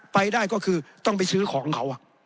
ไปได้ก็คือต้องไปซื้อของเขา